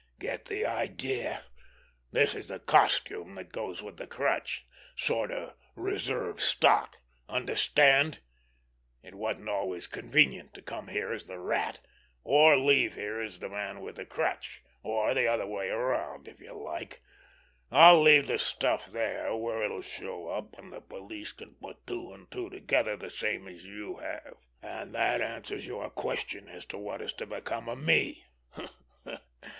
"Get the idea? This is the costume that goes with the crutch—sort of reserve stock. Understand? It wasn't always convenient to come here as the Rat, or leave here as the Man with the Crutch—or the other way around, if you like. I'll leave the stuff there where it'll show up, and the police can put two and two together the same as you have. And that answers your question as to what is to become of me.